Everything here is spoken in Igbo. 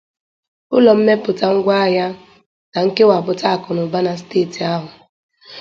ụlọ mmepụta ngwaahịa na nkewàpụta akụnụba na steeti ahụ